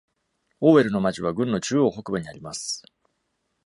オーウェルの町は郡の中央北部にあります。